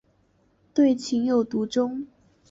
对情有独钟。